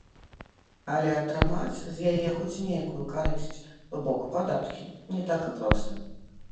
Але атрымаць з яе хоць нейкую карысць, то бок падаткі, не так і проста.